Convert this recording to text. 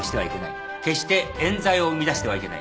決して冤罪を生み出してはいけない。